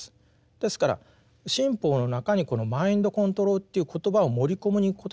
ですから新法の中にこのマインドコントロールという言葉を盛り込むことによってですね